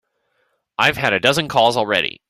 I've had a dozen calls already.